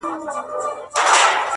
پر اوږو یې ټکاوه ورته ګویا سو؛